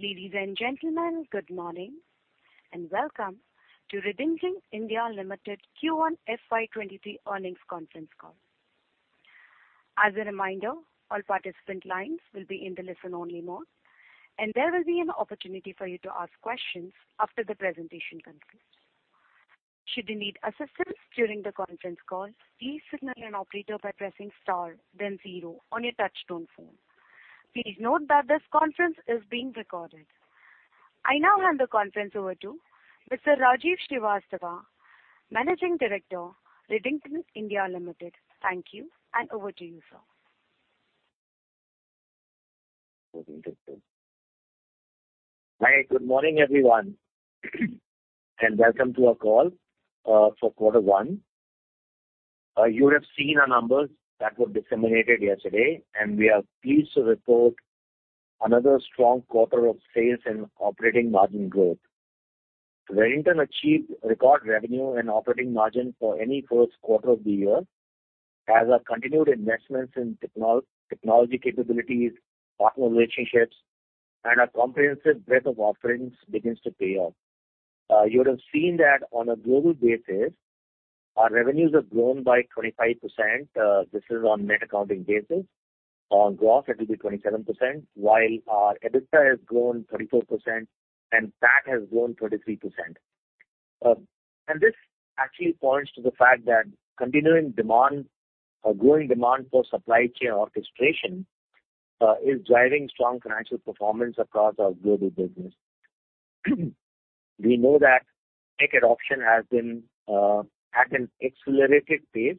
Ladies and gentlemen, good morning, and welcome to Redington India Limited Q1 FY 2023 Earnings Conference Call. As a reminder, all participant lines will be in the listen-only mode, and there will be an opportunity for you to ask questions after the presentation concludes. Should you need assistance during the conference call, please signal an operator by pressing star then zero on your touchtone phone. Please note that this conference is being recorded. I now hand the conference over to Mr. Rajiv Srivastava, Managing Director, Redington India Limited. Thank you, and over to you, sir. Hi. Good morning, everyone, and welcome to our call for quarter one. You have seen our numbers that were disseminated yesterday, and we are pleased to report another strong quarter of sales and operating margin growth. Redington achieved record revenue and operating margin for any first quarter of the year as our continued investments in technology capabilities, partner relationships, and our comprehensive breadth of offerings begins to pay off. You would have seen that on a global basis, our revenues have grown by 25%. This is on net accounting basis. On gross, it will be 27%, while our EBITDA has grown 34% and PAT has grown 23%. This actually points to the fact that continuing demand or growing demand for supply chain orchestration is driving strong financial performance across our global business. We know that tech adoption has been at an accelerated pace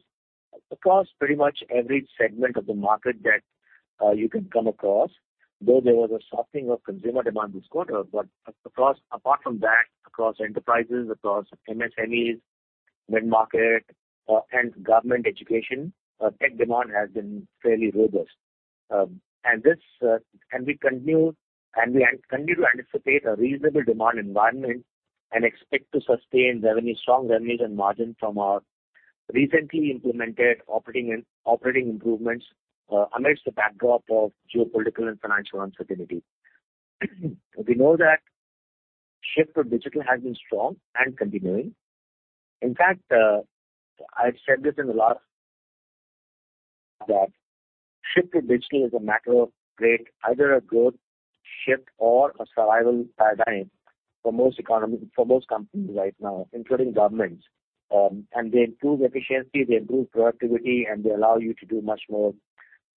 across pretty much every segment of the market that you can come across. Though there was a softening of consumer demand this quarter, but apart from that, across enterprises, across MSMEs, mid-market, and government education, tech demand has been fairly robust. We continue to anticipate a reasonable demand environment and expect to sustain strong revenues and margin from our recently implemented operating improvements amidst the backdrop of geopolitical and financial uncertainty. We know that shift to digital has been strong and continuing. In fact, I've said this in the last that shift to digital is a macro great either a growth shift or a survival paradigm for most economy, for most companies right now, including governments. They improve efficiency, they improve productivity, and they allow you to do much more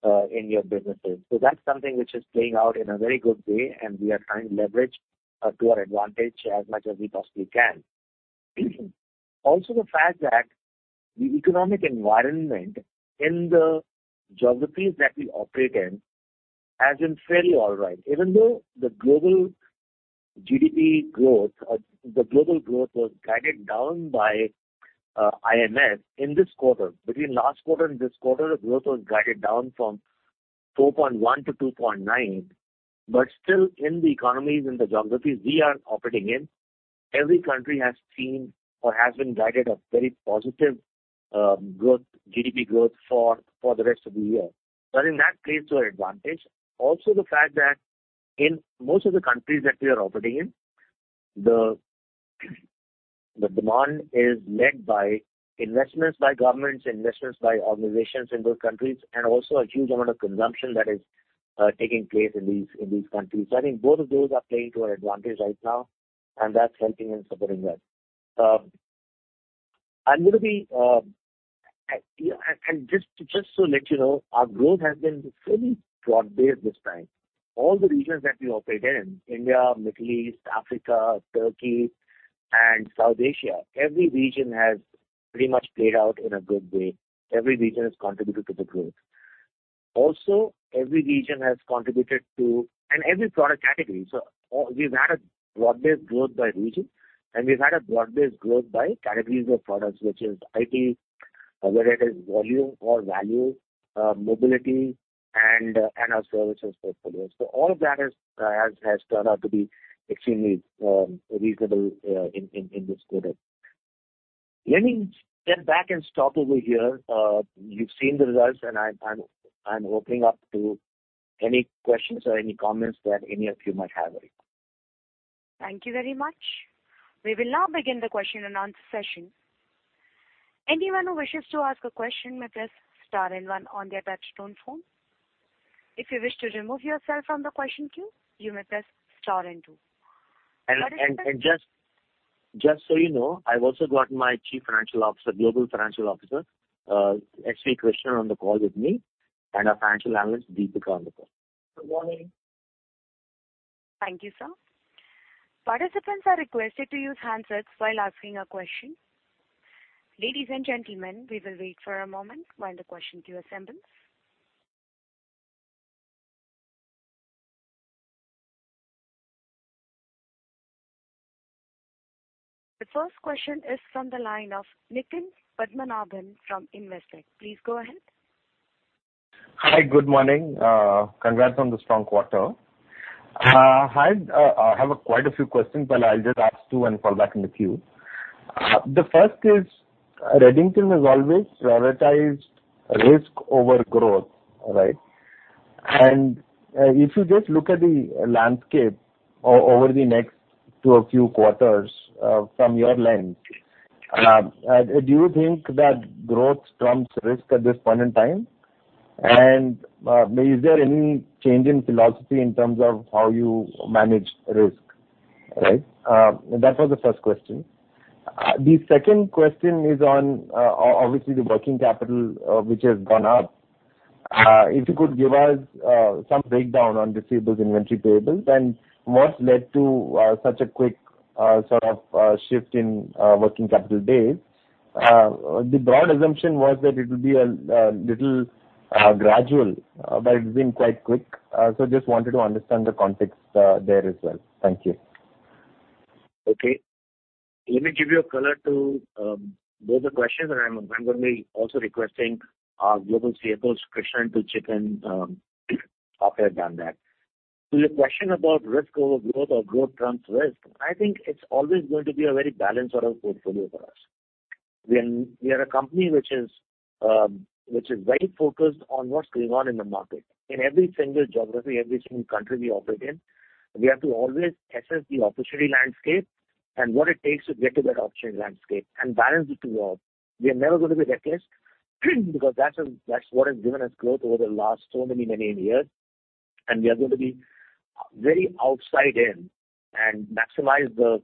in your businesses. That's something which is playing out in a very good way, and we are trying to leverage to our advantage as much as we possibly can. Also, the fact that the economic environment in the geographies that we operate in has been fairly all right. Even though the global GDP growth, the global growth was guided down by IMF in this quarter. Between last quarter and this quarter, the growth was guided down from 4.1% to 2.9%. Still, in the economies, in the geographies we are operating in, every country has seen or has been guided a very positive growth, GDP growth for the rest of the year. I think that plays to our advantage. Also, the fact that in most of the countries that we are operating in, the demand is led by investments by governments, investments by organizations in those countries, and also a huge amount of consumption that is taking place in these countries. I think both of those are playing to our advantage right now, and that's helping and supporting well. Just to let you know, our growth has been fairly broad-based this time. All the regions that we operate in, India, Middle East, Africa, Turkey, and South Asia, every region has pretty much played out in a good way. Every region has contributed to the growth and every product category. We've had a broad-based growth by region, and we've had a broad-based growth by categories of products, which is IT, whether it is volume or value, mobility and our services portfolios. All of that has turned out to be extremely reasonable in this quarter. Let me step back and stop over here. You've seen the results, and I'm opening up to any questions or any comments that any of you might have right now. Thank you very much. We will now begin the question-and-answer session. Anyone who wishes to ask a question may press star and one on their touchtone phone. If you wish to remove yourself from the question queue, you may press star and two. Just so you know, I've also got my Chief Financial Officer, Global Chief Financial Officer, S.V. Krishnan, on the call with me, and our Financial Analyst, Deepika, on the call. Good morning. Thank you, sir. Participants are requested to use handsets while asking a question. Ladies and gentlemen, we will wait for a moment while the question queue assembles. The first question is from the line of Nitin Padmanabhan from Investec. Please go ahead. Hi. Good morning. Congrats on the strong quarter. Hi. I have quite a few questions, but I'll just ask two and fall back in the queue. The first is, Redington has always prioritized risk over growth, right? If you just look at the landscape over the next two to a few quarters, from your lens, do you think that growth trumps risk at this point in time? Is there any change in philosophy in terms of how you manage risk? Right? That was the first question. The second question is on obviously the working capital, which has gone up. If you could give us some breakdown on receivables, inventory, payables and what's led to such a quick sort of shift in working capital days. The broad assumption was that it would be a little gradual, but it's been quite quick. So just wanted to understand the context there as well. Thank you. Okay. Let me give you a color to both the questions, and I'm gonna be also requesting our Global CFO, Krishnan, to chip in after I'm done that. To your question about risk over growth or growth trumps risk, I think it's always going to be a very balanced sort of portfolio for us. We are a company which is very focused on what's going on in the market. In every single geography, every single country we operate in, we have to always assess the opportunity landscape and what it takes to get to that opportunity landscape and balance the two out. We are never gonna be reckless because that's what has given us growth over the last so many, many years. We are going to be very outside in and maximize the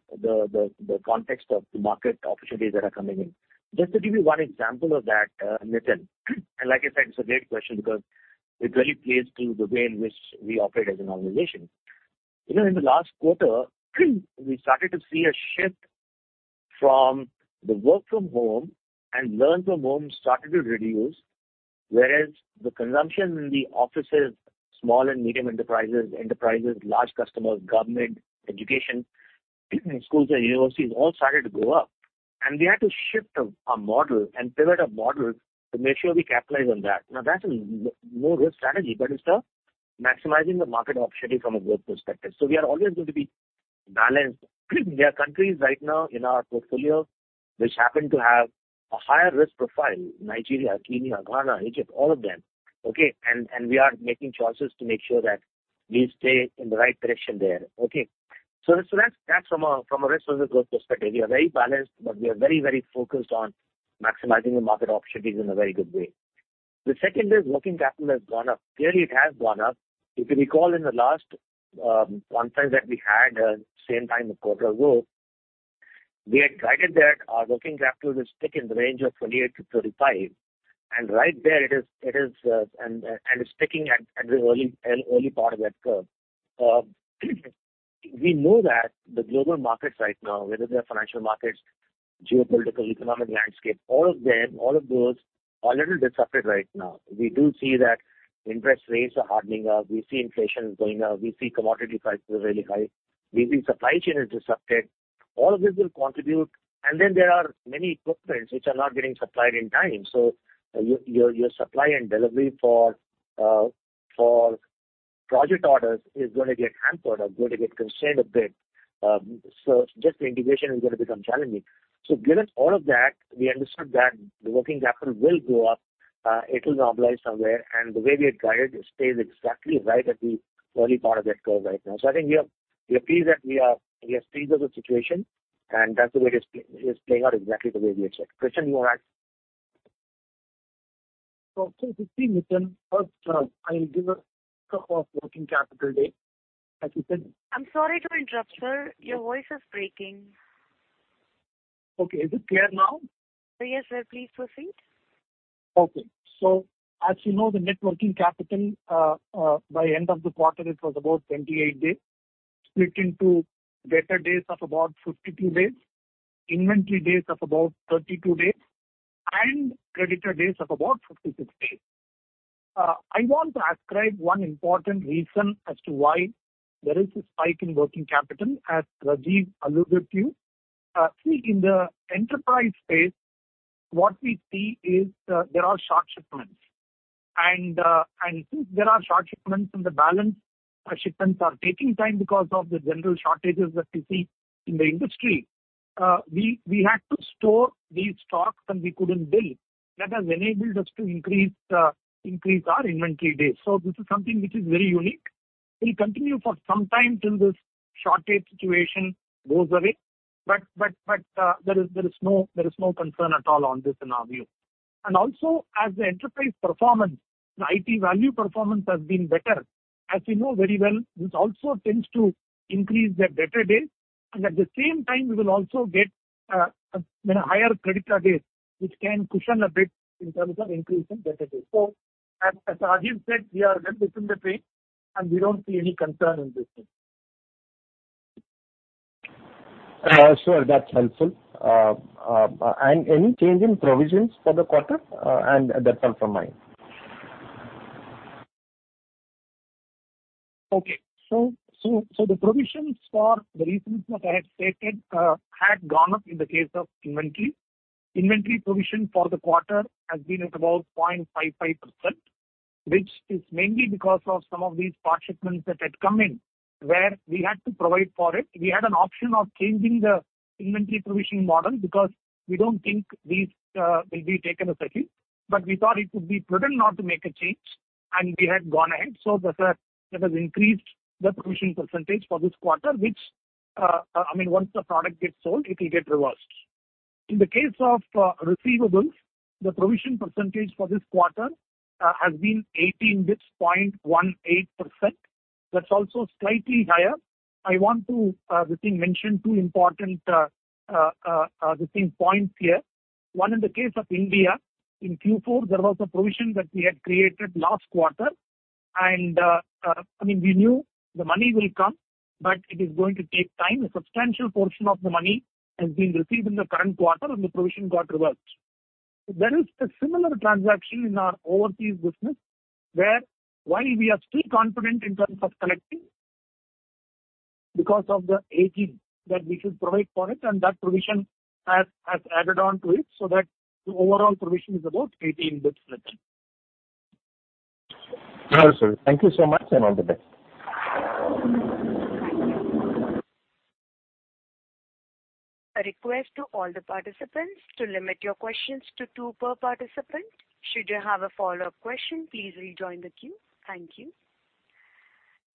context of the market opportunities that are coming in. Just to give you one example of that, Nitin. Like I said, it's a great question because it really plays to the way in which we operate as an organization. You know, in the last quarter, we started to see a shift from the work from home and learn from home started to reduce, whereas the consumption in the offices, small and medium enterprises, large customers, government, education, schools and universities all started to go up. We had to shift our model and pivot our model to make sure we capitalize on that. Now, that's a low risk strategy, but it's maximizing the market opportunity from a growth perspective. We are always going to be balanced. There are countries right now in our portfolio which happen to have a higher risk profile, Nigeria, Kenya, Ghana, Egypt, all of them. Okay. We are making choices to make sure that we stay in the right direction there. Okay. That's from a risk versus growth perspective. We are very balanced, but we are very focused on maximizing the market opportunities in a very good way. The second is working capital has gone up. Clearly, it has gone up. If you recall in the last conference that we had same time a quarter ago, we had guided that our working capital is stuck in the range of 28-35 days. Right there it is, and it's sticking at the early part of that curve. We know that the global markets right now, whether they're financial markets, geopolitical, economic landscape, all of them, all of those are a little disrupted right now. We do see that interest rates are hardening up. We see inflation going up. We see commodity prices are really high. We see supply chain is disrupted. All of this will contribute. Then there are many footprints which are not getting supplied in time. Your supply and delivery for project orders is gonna get hampered or gonna get constrained a bit. Just the integration is gonna become challenging. Given all of that, we understood that the working capital will go up, it will normalize somewhere, and the way we had guided, it stays exactly right at the early part of that curve right now. I think we are pleased with the situation, and that's the way it's playing out exactly the way we expect. Krishnan, you are at. Just to see, Nitin, first, I'll give a tour of working capital days. As you said. I'm sorry to interrupt, sir. Your voice is breaking. Okay. Is it clear now? Yes, sir. Please proceed. Okay. As you know, the net working capital by end of the quarter, it was about 28 days, split into debtor days of about 52 days, inventory days of about 32 days, and creditor days of about 56 days. I want to ascribe one important reason as to why there is a spike in working capital, as Rajiv alluded to. See, in the enterprise space, what we see is there are short shipments. Since there are short shipments and the balance shipments are taking time because of the general shortages that we see in the industry, we had to store these stocks and we couldn't bill. That has enabled us to increase our inventory days. This is something which is very unique. It'll continue for some time till this shortage situation goes away. There is no concern at all on this in our view. As the enterprise performance, the IT value performance has been better. As you know very well, this also tends to increase the debtor days. At the same time, we will also get, you know, higher creditor days, which can cushion a bit in terms of increase in debtor days. As Rajiv said, we are well within the range, and we don't see any concern in this thing. Sure. That's helpful. Any change in provisions for the quarter? That's all from my end. The provisions for the reasons that I had stated had gone up in the case of inventory. Inventory provision for the quarter has been at about 0.55%. Which is mainly because of some of these part shipments that had come in where we had to provide for it. We had an option of changing the inventory provision model because we don't think these will be taken as a hit, but we thought it would be prudent not to make a change, and we had gone ahead. So that has increased the provision percentage for this quarter, which, I mean, once the product gets sold, it will get reversed. In the case of receivables, the provision percentage for this quarter has been 18 basis points, 0.18%. That's also slightly higher. I want to, I think mention two important points here. One, in the case of India, in Q4, there was a provision that we had created last quarter. I mean, we knew the money will come, but it is going to take time. A substantial portion of the money has been received in the current quarter, and the provision got reversed. There is a similar transaction in our overseas business where, while we are still confident in terms of collecting because of the 18 that we should provide for it, and that provision has added on to it, so that the overall provision is about 18 bps return. Thank you so much, and all the best. A request to all the participants to limit your questions to two per participant. Should you have a follow-up question, please rejoin the queue. Thank you.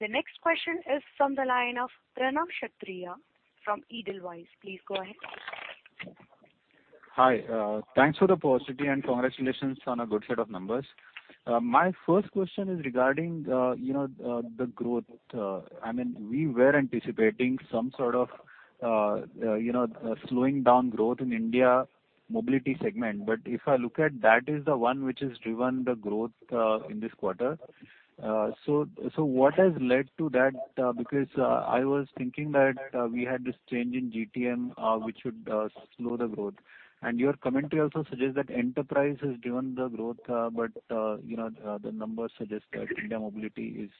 The next question is from the line of Pranav Kshatriya from Edelweiss. Please go ahead. Hi. Thanks for the positivity and congratulations on a good set of numbers. My first question is regarding, you know, the growth. I mean, we were anticipating some sort of, you know, slowing down growth in India Mobility segment. If I look at that is the one which has driven the growth in this quarter. What has led to that? Because I was thinking that we had this change in GTM which would slow the growth. Your commentary also suggests that Enterprise has driven the growth, but you know, the numbers suggest that India Mobility is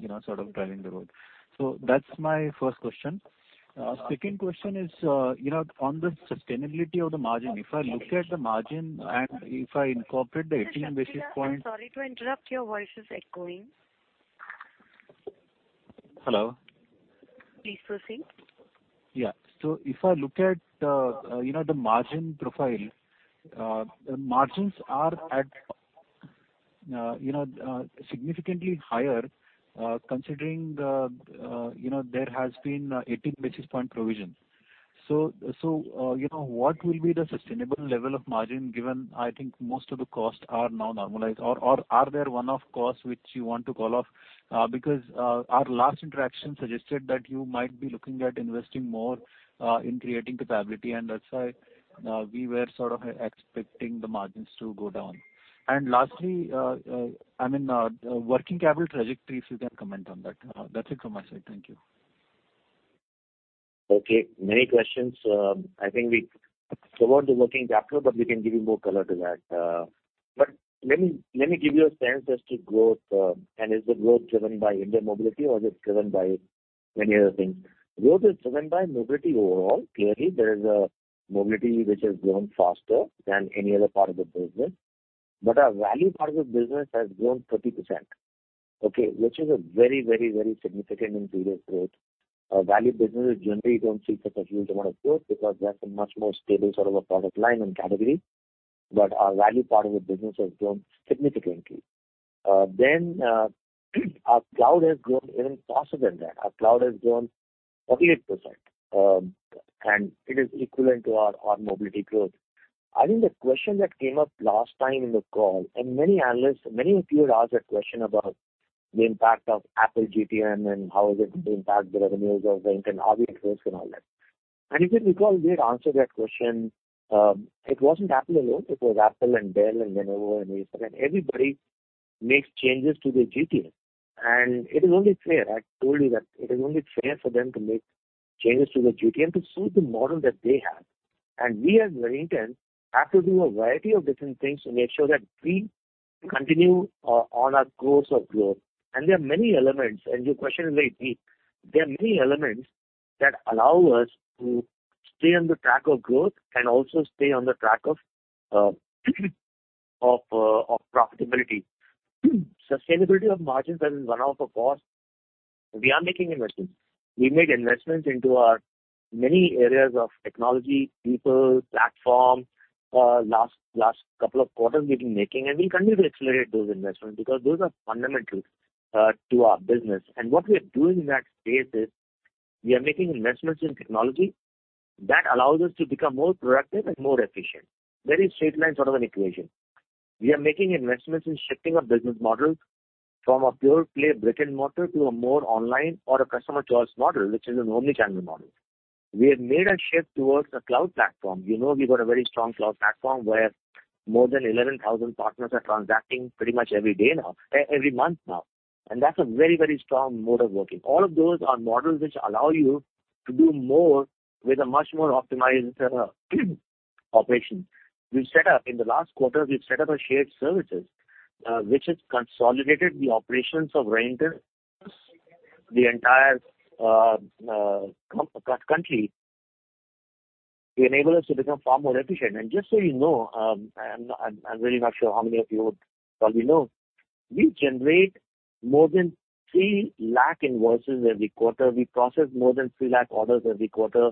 you know, sort of driving the show. That's my first question. Second question is you know, on the sustainability of the margin. If I look at the margin and if I incorporate the 18 basis points. Mr. Kshatriya, I'm sorry to interrupt. Your voice is echoing. Hello. Please proceed. Yeah. If I look at, you know, the margin profile, the margins are at, you know, significantly higher, considering the, you know, there has been 18 basis points provision. What will be the sustainable level of margin given I think most of the costs are now normalized? Or are there one-off costs which you want to call out? Because our last interaction suggested that you might be looking at investing more in creating capability, and that's why we were sort of expecting the margins to go down. Lastly, I mean, working capital trajectory, if you can comment on that. That's it from my side. Thank you. Okay. Many questions. I think we covered the working capital, but we can give you more color to that. Let me give you a sense as to growth, and is the growth driven by India mobility or is it driven by many other things. Growth is driven by mobility overall. Clearly, there is a mobility which has grown faster than any other part of the business. Our value part of the business has grown 30%, okay, which is a very significant in period growth. Our value businesses generally don't see such a huge amount of growth because they are a much more stable sort of a product line and category. Our value part of the business has grown significantly. Our cloud has grown even faster than that. Our cloud has grown 48%. It is equivalent to our mobility growth. I think the question that came up last time in the call, and many analysts, many of you had asked that question about the impact of Apple GTM and how is it going to impact the revenues of the India-based folks and all that. If you recall, we had answered that question. It wasn't Apple alone, it was Apple and Dell and Lenovo and ASUS, and everybody makes changes to their GTM. It is only fair. I told you that it is only fair for them to make changes to the GTM to suit the model that they have. We as Redington have to do a variety of different things to make sure that we continue on our course of growth. There are many elements, and your question is very deep. There are many elements that allow us to stay on the track of growth and also stay on the track of profitability. Sustainability of margins and run out of cost, we are making investments. We made investments into our many areas of technology, people, platform. Last couple of quarters we've been making, and we'll continue to accelerate those investments because those are fundamental to our business. What we're doing in that space is we are making investments in technology that allows us to become more productive and more efficient. Very straight line sort of an equation. We are making investments in shifting our business model from a pure-play brick-and-mortar to a more online or a customer choice model, which is an omni-channel model. We have made a shift towards the cloud platform. You know, we've got a very strong cloud platform where more than 11,000 partners are transacting pretty much every day now, every month now. That's a very, very strong mode of working. All of those are models which allow you to do more with a much more optimized operation. We've set up, in the last quarter, a shared services which has consolidated the operations of Redington across the entire country to enable us to become far more efficient. Just so you know, I'm really not sure how many of you probably know, we generate more than 300,000 invoices every quarter. We process more than 300,000 orders every quarter.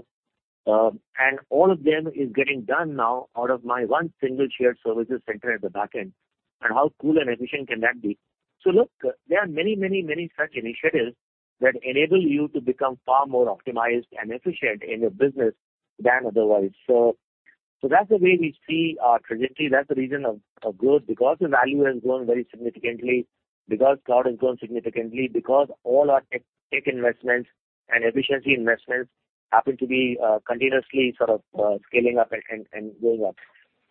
All of them is getting done now out of my one single shared services center at the back end. How cool and efficient can that be? Look, there are many, many, many such initiatives that enable you to become far more optimized and efficient in your business than otherwise. That's the way we see our trajectory. That's the reason of growth, because the value has grown very significantly, because cloud has grown significantly, because all our tech investments and efficiency investments happen to be continuously sort of scaling up and going up.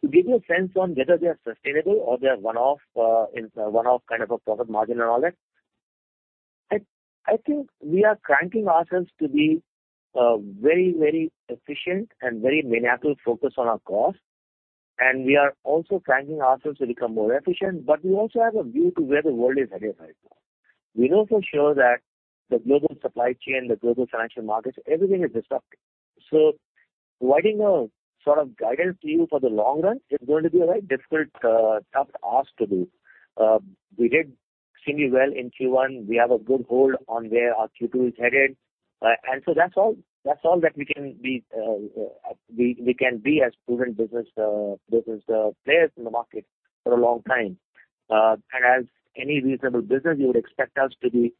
To give you a sense on whether they are sustainable or they are one-off, one-off kind of a profit margin and all that, I think we are cranking ourselves to be very efficient and very maniacal focused on our cost. We are also cranking ourselves to become more efficient. We also have a view to where the world is headed right now. We know for sure that the global supply chain, the global financial markets, everything is disrupting. Providing a sort of guidance to you for the long run is going to be a very difficult, tough ask to do. We did extremely well in Q1. We have a good hold on where our Q2 is headed. That's all. That's all that we can be, we can be as proven business players in the market for a long time. As any reasonable business, you would expect us to be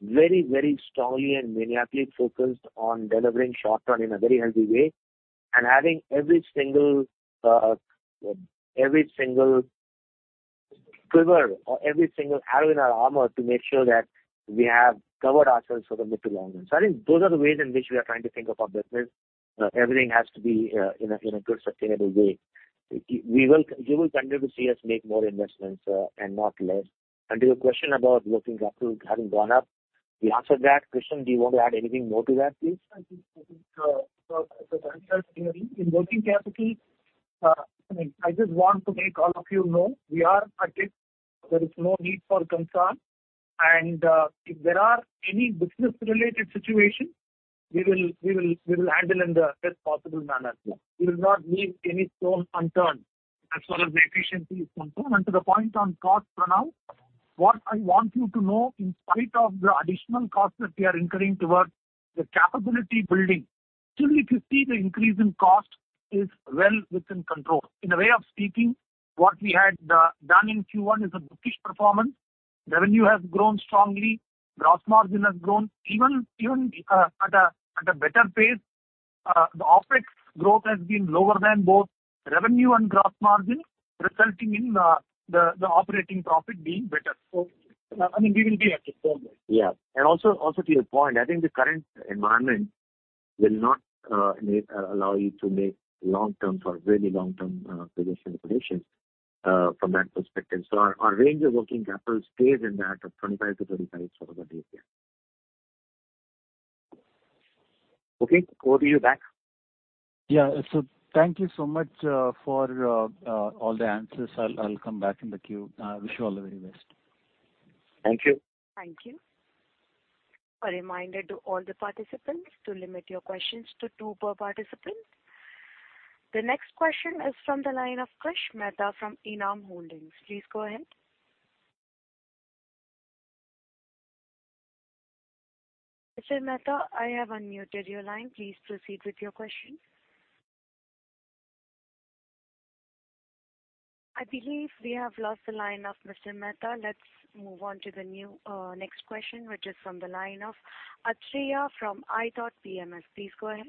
very, very strongly and maniacally focused on delivering short term in a very healthy way and adding every single quiver or every single arrow in our armor to make sure that we have covered ourselves for the mid-to-long run. I think those are the ways in which we are trying to think of our business. Everything has to be in a good, sustainable way. You will continue to see us make more investments, and not less. To your question about working capital having gone up, we answered that. Krishnan, do you want to add anything more to that, please? I think the answer is clear. In working capital, I mean, I just want to make all of you know, we are active. There is no need for concern. If there are any business-related situation, we will handle in the best possible manner. We will not leave any stone unturned as far as the efficiency is concerned. To the point on cost, Pranav, what I want you to know, in spite of the additional cost that we are incurring towards the capability building, still if you see the increase in cost is well within control. In the way of speaking, what we had done in Q1 is a bookish performance. Revenue has grown strongly. Gross margin has grown even at a better pace. The OpEx growth has been lower than both revenue and gross margin, resulting in the operating profit being better. I mean, we will be active going forward. Yeah. Also to your point, I think the current environment will not allow you to make long-term or very long-term predictions from that perspective. Our range of working capital stays in that of 25-35 days sort of a base there. Okay. Over to you, Pranav. Yeah. Thank you so much for all the answers. I'll come back in the queue. I wish you all the very best. Thank you. Thank you. A reminder to all the participants to limit your questions to two per participant. The next question is from the line of Krish Mehta from Enam Holdings. Please go ahead. Mr. Mehta, I have unmuted your line. Please proceed with your question. I believe we have lost the line of Mr. Mehta. Let's move on to the next question, which is from the line of Athreya from ithoughtPMS. Please go ahead.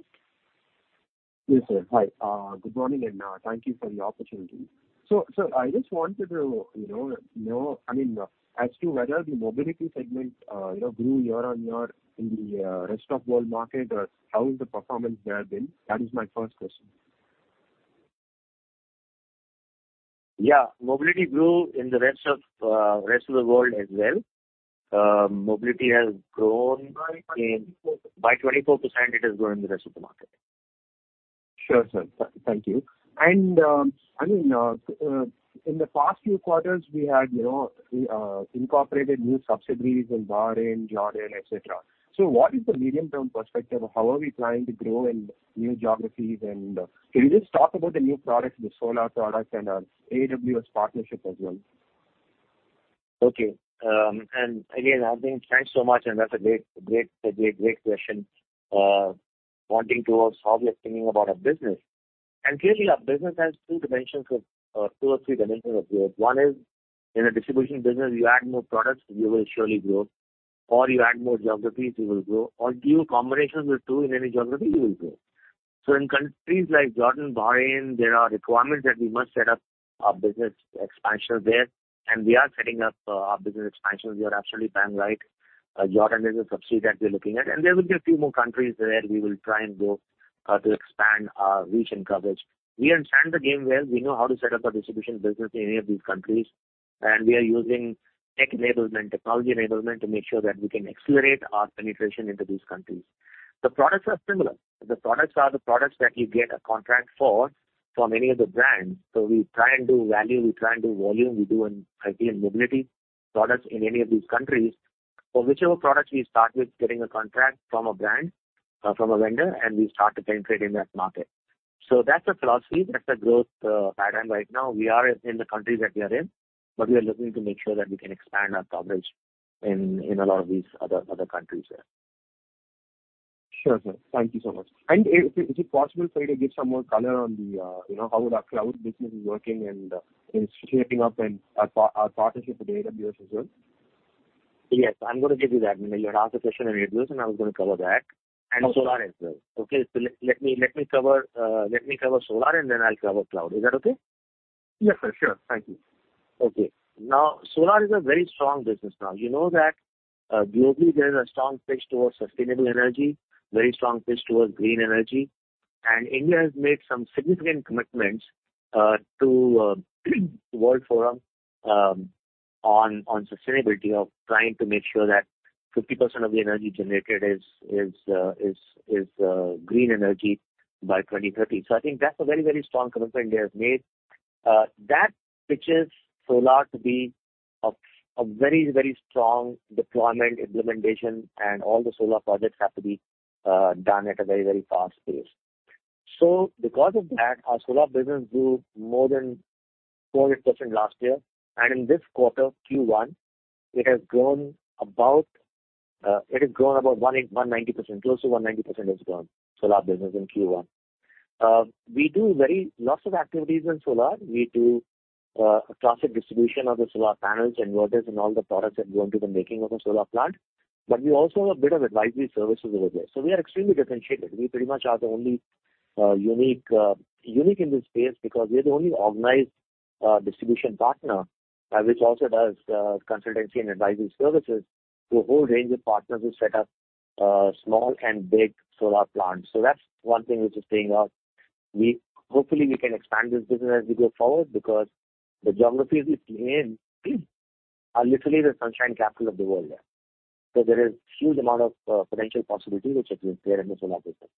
Yes, sir. Hi. Good morning, and thank you for the opportunity. I just wanted to know, I mean, as to whether the mobility segment, you know, grew year on year in the rest of world market or how is the performance there been? That is my first question. Yeah. Mobility grew in the rest of the world as well. Mobility has grown in- By 24%. By 24% it has grown in the rest of the market. Sure, sir. Thank you. I mean, in the past few quarters, we had, you know, incorporated new subsidiaries in Bahrain, Jordan, et cetera. What is the medium-term perspective? How are we planning to grow in new geographies? Can you just talk about the new products, the solar products and AWS partnership as well? Okay. Again, I think thanks so much, and that's a great question, pointing towards how we are thinking about our business. Clearly our business has two or three dimensions of growth. One is in a distribution business, you add more products, you will surely grow, or you add more geographies, you will grow, or do combinations with two in any geography, you will grow. In countries like Jordan, Bahrain, there are requirements that we must set up our business expansion there, and we are setting up our business expansion. You're absolutely bang on. Jordan is a subsidiary that we're looking at, and there will be a few more countries where we will try and go to expand our reach and coverage. We understand the game well. We know how to set up a distribution business in any of these countries, and we are using tech enablement, technology enablement to make sure that we can accelerate our penetration into these countries. The products are similar. The products are the products that you get a contract for from any of the brands. We try and do value, we try and do volume, we do an IT and mobility products in any of these countries. For whichever product we start with getting a contract from a brand, from a vendor, and we start to penetrate in that market. That's the philosophy, that's the growth pattern right now. We are in the countries that we are in, but we are looking to make sure that we can expand our coverage in a lot of these other countries there. Sure, sir. Thank you so much. Is it possible for you to give some more color on the, you know, how the cloud business is working and is shaping up and our partnership with AWS as well? Yes, I'm gonna give you that. You asked a question on AWS, and I was gonna cover that. Okay. Solar as well. Okay. Let me cover Solar and then I'll cover Cloud. Is that okay? Yes, sir. Sure. Thank you. Okay. Now, Solar is a very strong business now. You know that globally there is a strong pitch towards sustainable energy, very strong pitch towards green energy. India has made some significant commitments to World Forum on sustainability of trying to make sure that 50% of the energy generated is green energy by 2030. I think that's a very, very strong commitment India has made. That pitches solar to be a very, very strong deployment implementation, and all the solar projects have to be done at a very, very fast pace. Because of that, our Solar business grew more than 40% last year, and in this quarter, Q1, it has grown about 190%. Close to 190% has grown Solar business in Q1. We do lots of activities in Solar. We do classic distribution of the solar panels, inverters and all the products that go into the making of a solar plant. We also have a bit of advisory services over there. We are extremely differentiated. We pretty much are the only unique in this space because we are the only organized distribution partner which also does consultancy and advisory services to a whole range of partners who set up small and big solar plants. That's one thing which is paying off. Hopefully we can expand this business as we go forward because the geographies we play in are literally the sunshine capital of the world there. There is huge amount of potential possibility which is there in the Solar business.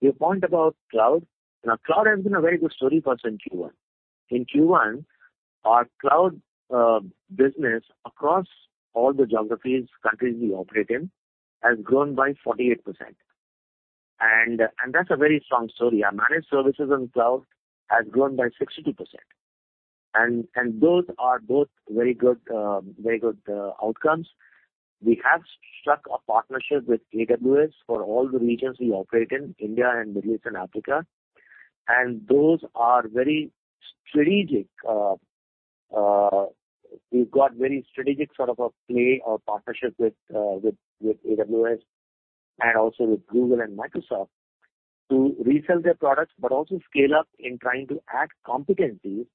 Your point about Cloud. Now Cloud has been a very good story for us in Q1. In Q1, our Cloud business across all the geographies, countries we operate in, has grown by 48%. That's a very strong story. Our managed services on Cloud has grown by 62%. Those are both very good, very good outcomes. We have struck a partnership with AWS for all the regions we operate in, India and Middle East and Africa. Those are very strategic. We've got very strategic sort of a play or partnership with AWS and also with Google and Microsoft to resell their products, but also scale up in trying to add competencies.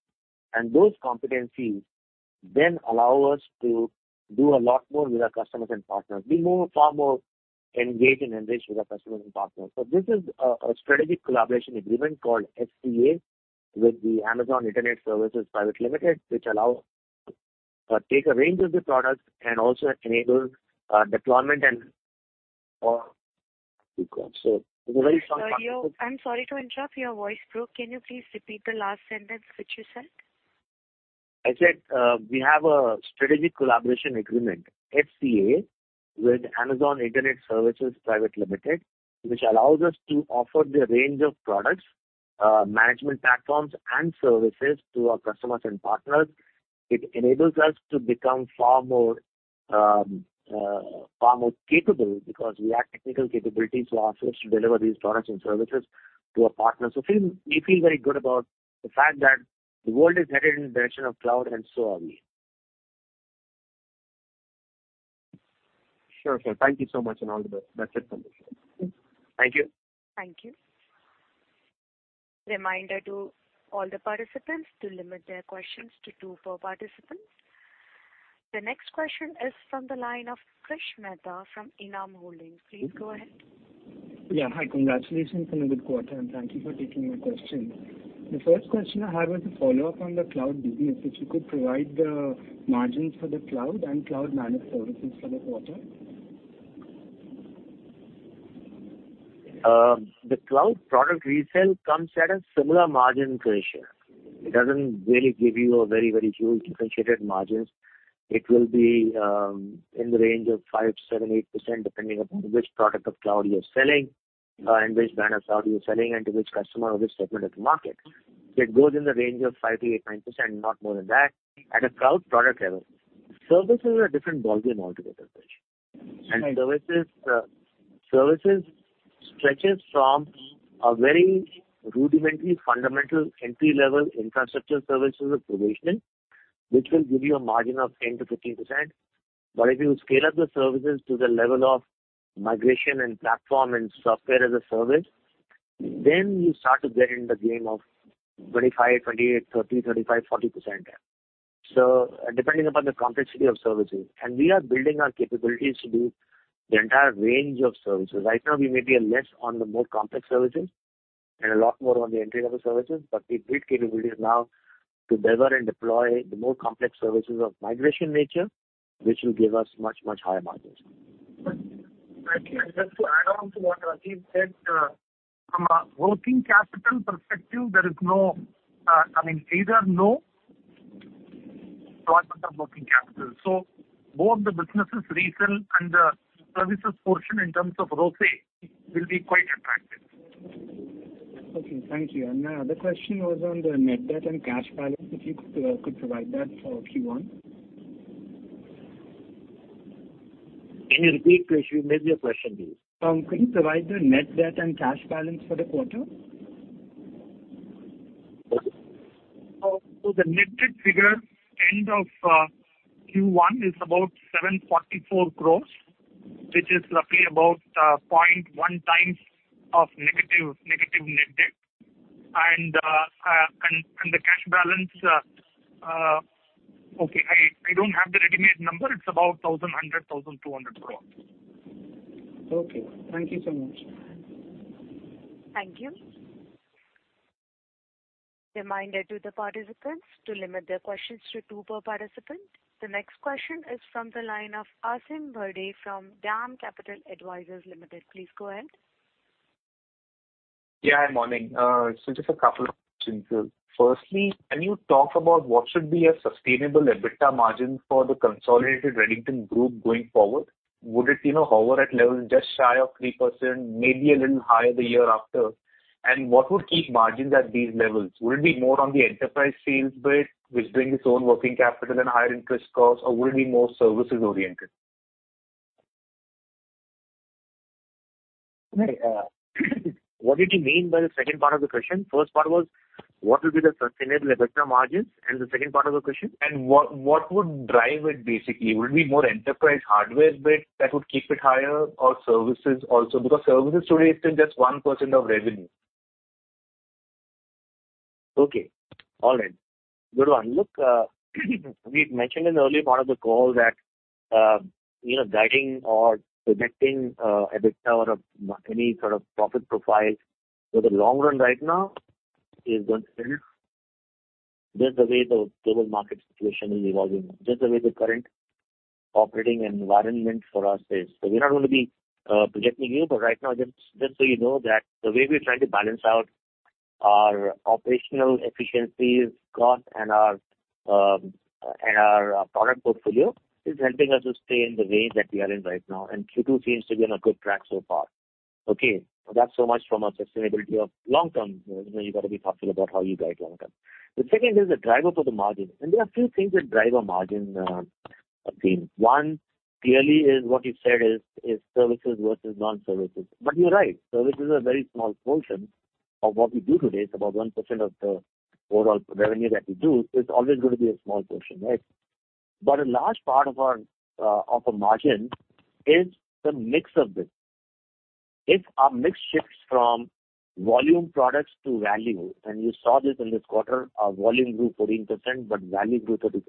Those competencies then allow us to do a lot more with our customers and partners, be far more engaged and enriched with our customers and partners. This is a strategic collaboration agreement called SCA with the Amazon Internet Services Private Limited, which allows us to take a range of the products and also enables deployment and all. Sir, I'm sorry to interrupt. Your voice broke. Can you please repeat the last sentence which you said? I said, we have a strategic collaboration agreement, SCA, with Amazon Internet Services Private Limited, which allows us to offer the range of products, management platforms and services to our customers and partners. It enables us to become far more capable because we add technical capabilities to our sourcing to deliver these products and services to our partners. We feel very good about the fact that the world is headed in the direction of cloud and so are we. Sure, sir. Thank you so much and all the best. That's it from me, sir. Thank you. Thank you. Reminder to all the participants to limit their questions to two per participant. The next question is from the line of Krish Mehta from Enam Holdings. Please go ahead. Yeah. Hi. Congratulations on a good quarter, and thank you for taking your question. The first question I have is a follow-up on the Cloud business. If you could provide the margins for the cloud and cloud managed services for the quarter. The cloud product resell comes at a similar margin ratio. It doesn't really give you a very, very huge differentiated margins. It will be in the range of 5%, 7%, 8%, depending upon which product of cloud you're selling, and which brand of cloud you're selling and to which customer or which segment of the market. It goes in the range of 5%-9%, not more than that, at a cloud product level. Services are a different ballgame altogether, Krish. Right. Services stretches from a very rudimentary, fundamental entry-level infrastructure services or provision, which will give you a margin of 10%-15%. If you scale up the services to the level of migration and platform and software as a service, then you start to get in the game of 25%, 28%, 30%, 35%, 40%. Depending upon the complexity of services. We are building our capabilities to do the entire range of services. Right now we may be less on the more complex services and a lot more on the entry-level services, but we build capabilities now to deliver and deploy the more complex services of migration nature, which will give us much, much higher margins. I think just to add on to what Rajiv said, from a working capital perspective, there is no, I mean, these are no as a working capital. So, both the businesses resell under services portion in terms of role say will be quite affected. Okay. Thank you. My other question was on the net debt and cash balance, if you could provide that for Q1? Can you repeat, please, maybe your question, please. Can you provide the net debt and cash balance for the quarter? Okay. The net debt figure end of Q1 is about 744 crores, which is roughly about 0.1x of negative net debt. The cash balance, okay, I don't have the ready-made number. It's about 1,100-1,200 crores. Okay. Thank you so much. Thank you. Reminder to the participants to limit their questions to two per participant. The next question is from the line of Aasim Bharde from DAM Capital Advisors Limited. Please go ahead. Morning. Just a couple of questions. Firstly, can you talk about what should be a sustainable EBITDA margin for the consolidated Redington Group going forward? Would it, you know, hover at levels just shy of 3%, maybe a little higher the year after? And what would keep margins at these levels? Would it be more on the enterprise sales bit, which bring its own working capital and higher interest costs, or would it be more services oriented? What did you mean by the second part of the question? First part was what will be the sustainable EBITDA margins, and the second part of the question? What would drive it basically? Would it be more enterprise hardware beat that would keep it higher or services also? Because services today is still just 1% of revenue. Okay. All right. Good one. Look, we mentioned in the early part of the call that, you know, guiding or projecting, EBITDA or any sort of profit profile for the long run right now is going to be just the way the global market situation is evolving now, just the way the current operating environment for us is. We're not gonna be projecting here. Right now, just so you know that the way we're trying to balance out our operational efficiencies cost and our product portfolio is helping us to stay in the range that we are in right now. Q2 seems to be on a good track so far. Okay. That's so much from a sustainability of long term. You know, you gotta be thoughtful about how you guide long term. The second is the driver for the margin. There are few things that drive our margin, Aasim. One clearly is what you said, services versus non-services. You're right, services is a very small portion of what we do today. It's about 1% of the overall revenue that we do. It's always gonna be a small portion, right? A large part of our margin is the mix of this. If our mix shifts from volume products to value, and you saw this in this quarter, our volume grew 14%, but value grew 30%.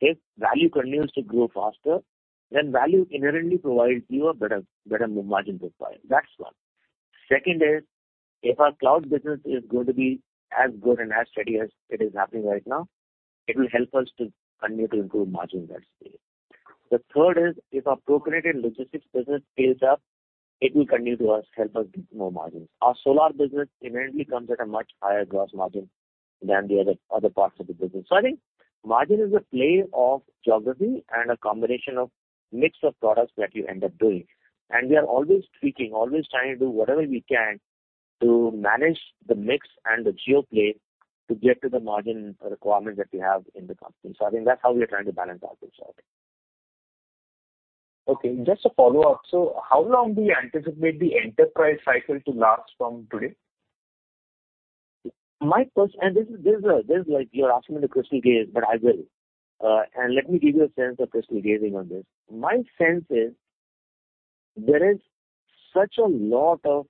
If value continues to grow faster, then value inherently provides you a better margin profile. That's one. Second is, if our Cloud business is going to be as good and as steady as it is happening right now, it will help us to continue to improve margin in that space. The third is if our Procurement and Logistics business scales up, it will continue to help us get more margins. Our Solar business inherently comes at a much higher gross margin than the other parts of the business. I think margin is a play of geography and a combination of mix of products that you end up doing. We are always tweaking, always trying to do whatever we can to manage the mix and the geo play to get to the margin requirement that we have in the company. I think that's how we are trying to balance ourselves. Okay, just a follow-up. How long do you anticipate the enterprise cycle to last from today? This is like you're asking me to crystal gaze, but I will. Let me give you a sense of crystal gazing on this. My sense is there is such a lot of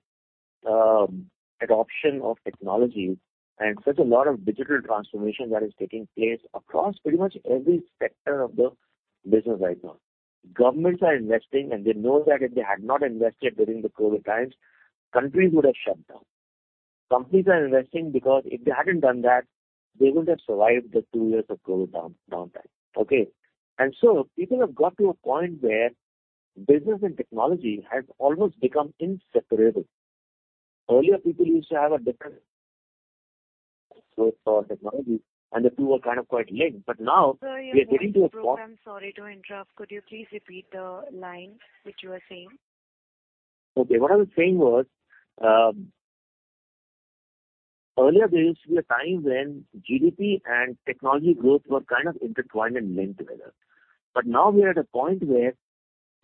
adoption of technologies and such a lot of digital transformation that is taking place across pretty much every sector of the business right now. Governments are investing, and they know that if they had not invested during the COVID times, countries would have shut down. Companies are investing because if they hadn't done that, they wouldn't have survived the two years of COVID downtime. Okay. People have got to a point where business and technology have almost become inseparable. Earlier, people used to have a different growth for technology, and the two were kind of quite linked. Now we are getting to a po- Sir, your voice broke. I'm sorry to interrupt. Could you please repeat the line which you were saying? Okay. What I was saying was, earlier there used to be a time when GDP and technology growth were kind of intertwined and linked together. Now we are at a point where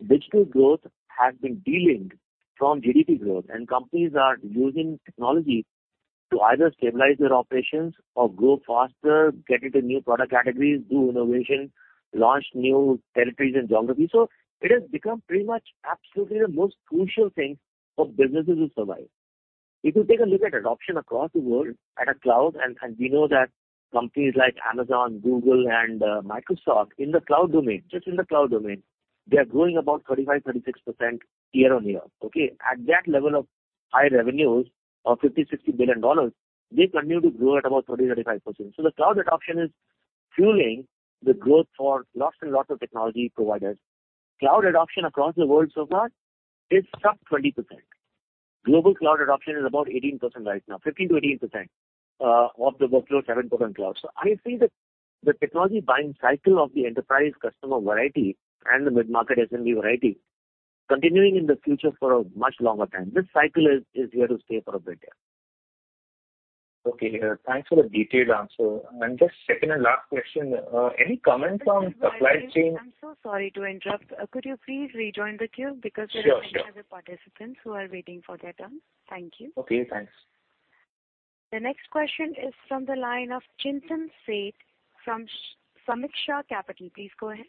digital growth has been delinked from GDP growth, and companies are using technology to either stabilize their operations or grow faster, get into new product categories, do innovation, launch new territories and geographies. It has become pretty much absolutely the most crucial thing for businesses to survive. If you take a look at adoption across the world in the cloud, and we know that companies like Amazon, Google, and Microsoft in the cloud domain, they are growing about 35%-36% year-on-year. Okay. At that level of high revenues of $50 billion-$60 billion, they continue to grow at about 30%-35%. The cloud adoption is fueling the growth for lots and lots of technology providers. Cloud adoption across the world so far is sub 20%. Global cloud adoption is about 18% right now, 15%-18%, of the workload, 7% cloud. I see the technology buying cycle of the enterprise customer variety and the mid-market SMB variety continuing in the future for a much longer time. This cycle is here to stay for a bit, yeah. Okay. Thanks for the detailed answer. Just second and last question. Any comments on supply chain? I'm so sorry to interrupt. Could you please rejoin the queue? Sure, sure. There are many other participants who are waiting for their turn. Thank you. Okay, thanks. The next question is from the line of Chintan Sheth from Sameeksha Capital. Please go ahead.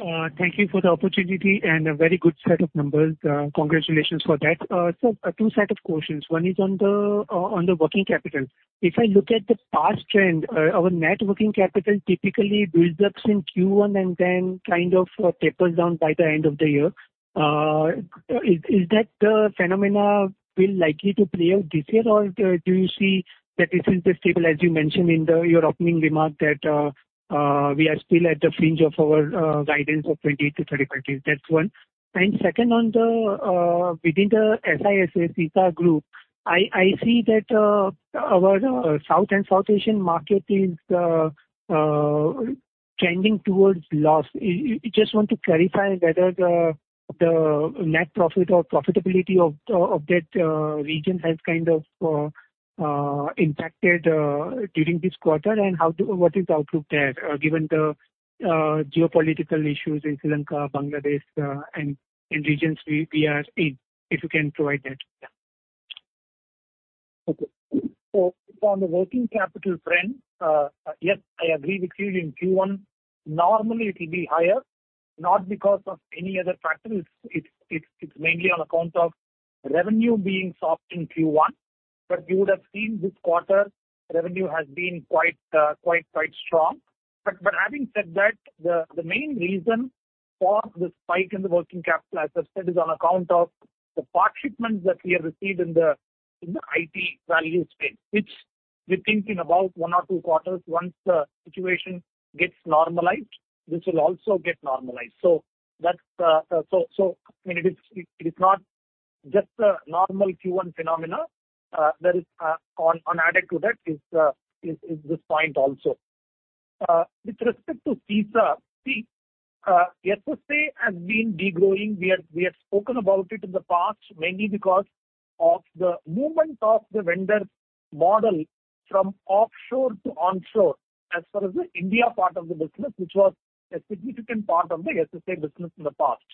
Thank you for the opportunity and a very good set of numbers. Congratulations for that. Two set of questions. One is on the working capital. If I look at the past trend, our net working capital typically builds up in Q1 and then kind of tapers down by the end of the year. Is that phenomena will likely to play out this year, or do you see that this is the stable, as you mentioned in your opening remark that we are still at the fringe of our guidance of 20-35 days? That's one. Second, on the within the SISA group, I see that our South and South Asian market is trending towards loss. Just want to clarify whether the net profit or profitability of that region has kind of impacted during this quarter and what is the outlook there given the geopolitical issues in Sri Lanka, Bangladesh, and in regions we are in, if you can provide that. Yeah. Okay. On the working capital front, yes, I agree with you. In Q1, normally it'll be higher, not because of any other factor. It's mainly on account of revenue being soft in Q1. You would have seen this quarter revenue has been quite strong. Having said that, the main reason for the spike in the working capital, as I said, is on account of the part shipments that we have received in the IT value space, which we think in about one or two quarters, once the situation gets normalized, this will also get normalized. That's so I mean, it is not just a normal Q1 phenomenon. There is, added to that, this point also. With respect to SISA, see, SSA has been degrowing. We have spoken about it in the past, mainly because of the movement of the vendor model from offshore to onshore as far as the India part of the business, which was a significant part of the SSA business in the past.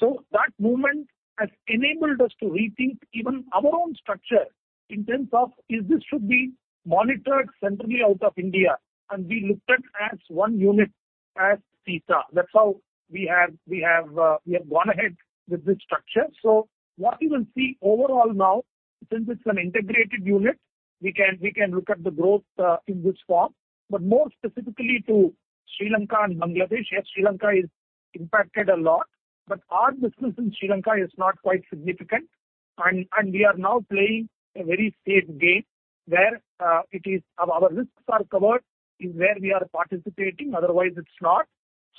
That movement has enabled us to rethink even our own structure in terms of if this should be monitored centrally out of India, and be looked at as one unit at SISA. That's how we have gone ahead with this structure. What you will see overall now, since it's an integrated unit, we can look at the growth in this form. More specifically to Sri Lanka and Bangladesh, yes, Sri Lanka is impacted a lot, but our business in Sri Lanka is not quite significant. We are now playing a very safe game where our risks are covered in where we are participating. Otherwise, it's not.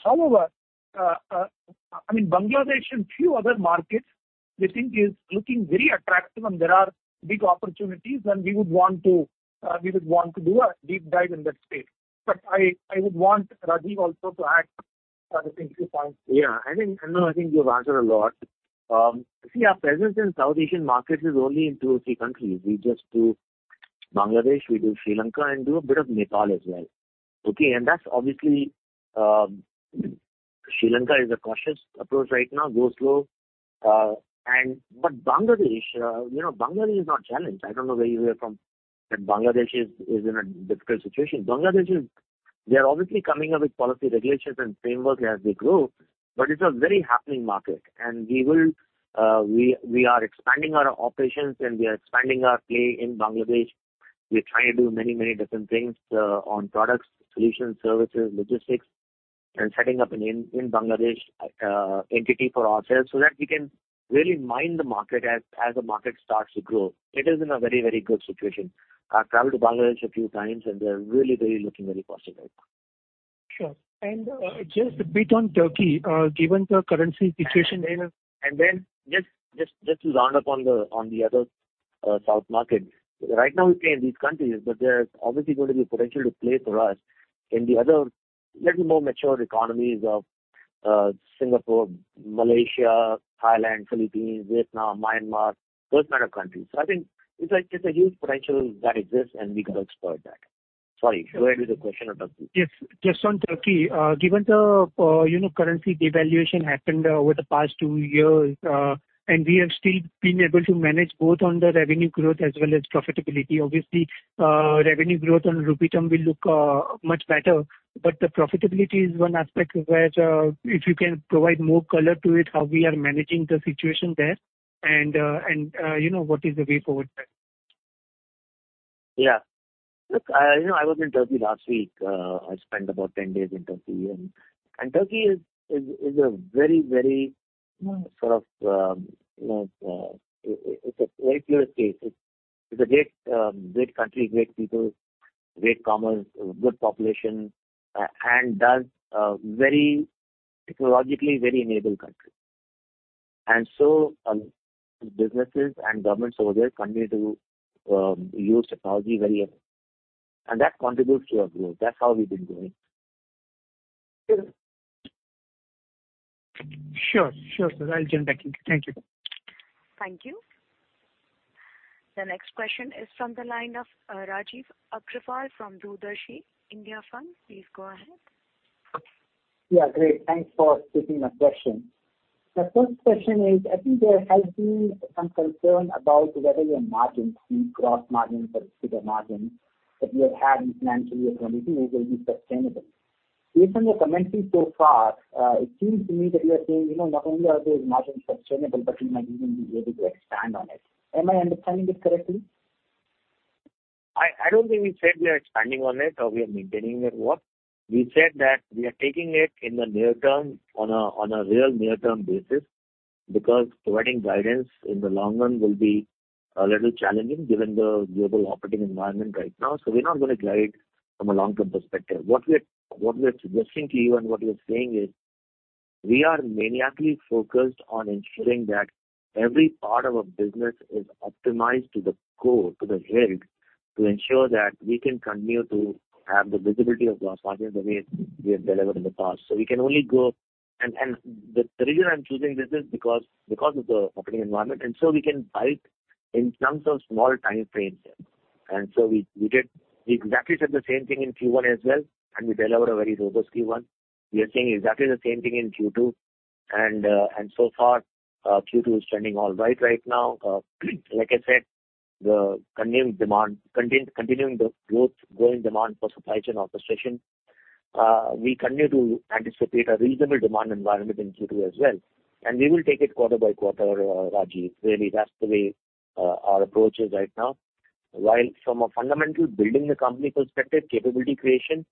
However, I mean, Bangladesh and few other markets we think is looking very attractive and there are big opportunities and we would want to do a deep dive in that space. I would want Rajiv also to add certain few points. Yeah. I think you have answered a lot. Our presence in South Asian market is only in two or three countries. We do Bangladesh, we do Sri Lanka, and do a bit of Nepal as well. Okay. That's obviously Sri Lanka is a cautious approach right now. Go slow. Bangladesh, you know, Bangladesh is not challenged. I don't know where you are from that Bangladesh is in a difficult situation. Bangladesh is. They're obviously coming up with policy regulations and framework as we grow, but it's a very happening market. We are expanding our operations and we are expanding our play in Bangladesh. We are trying to do many different things on products, solutions, services, logistics, and setting up an entity in Bangladesh for ourselves so that we can really mine the market as the market starts to grow. It is in a very good situation. I've traveled to Bangladesh a few times, and they're really looking very positive. Sure. Just a bit on Turkey, given the currency situation there. Just to round up on the other south market. Right now we play in these countries, but there's obviously going to be potential to play for us in the other little more mature economies of Singapore, Malaysia, Thailand, Philippines, Vietnam, Myanmar, those kind of countries. I think it's a huge potential that exists and we got to explore that. Sorry. Where is the question about this? Yes. Just on Turkey. Given the, you know, currency devaluation happened over the past two years, and we have still been able to manage both on the revenue growth as well as profitability. Obviously, revenue growth on rupee term will look much better. The profitability is one aspect where, if you can provide more color to it, how we are managing the situation there and, you know, what is the way forward there? Yeah. Look, you know, I was in Turkey last week. I spent about 10 days in Turkey. Turkey is a very sort of, it's a very clear case. It's a great country, great people, great commerce, good population, and does very technologically very enabled country. Businesses and governments over there continue to use technology very effectively. That contributes to our growth. That's how we've been growing. Sure. Sure, sir. I'll jump back in. Thank you. Thank you. The next question is from the line of Rajeev Agrawal from DoorDarshi India Fund. Please go ahead. Yeah, great. Thanks for taking my question. My first question is, I think there has been some concern about whether your margins, be it gross margins or EBITDA margins, that you have had in financial year 2022 will be sustainable. Based on your commenting so far, it seems to me that you are saying, you know, not only are those margins sustainable, but you might even be able to expand on it. Am I understanding this correctly? I don't think we said we are expanding on it or we are maintaining it or what. We said that we are taking it in the near-term on a real near-term basis because providing guidance in the long run will be a little challenging given the global operating environment right now. We're not gonna guide from a long-term perspective. What we're suggesting to you and what we're saying is we are maniacally focused on ensuring that every part of our business is optimized to the core, to the hilt, to ensure that we can continue to have the visibility of gross margins the way we have delivered in the past. The reason I'm choosing this is because of the operating environment, so we can guide in terms of small timeframes here. We exactly said the same thing in Q1 as well, and we delivered a very robust Q1. We are saying exactly the same thing in Q2. So far, Q2 is trending all right right now. Like I said, the continuing growth, growing demand for supply chain orchestration, we continue to anticipate a reasonable demand environment in Q2 as well. We will take it quarter-by-quarter, Rajeev. Really, that's the way our approach is right now. While from a fundamental building the company perspective, capability creation,